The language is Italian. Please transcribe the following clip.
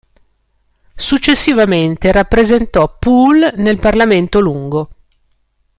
Successivamente rappresentò Poole nel Parlamento Lungo.